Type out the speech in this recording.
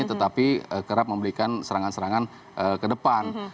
tetapi kerap memberikan serangan serangan ke depan